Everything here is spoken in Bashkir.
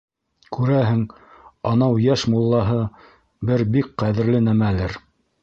Күрәһең, анау йәш муллаһы бер бик ҡәҙерле нәмәлер.